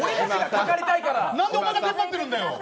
何でお前がテンぱってるんだよ！